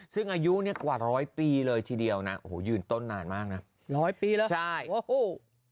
ซึ่งอายุเนี่ยกว่าร้อยปีเลยทีเดียวนะโอ้โหยืนต้นนานมากนะร้อยปีแล้วใช่โอ้โห